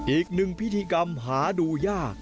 อีกหนึ่งพิธีกรรมหาดูยาก